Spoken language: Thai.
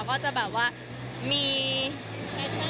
ก็จะแบบว่ามีแฟชั่น